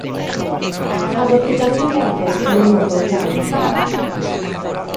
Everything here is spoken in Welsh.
Cafodd hi ganlyniadau calonogol iawn.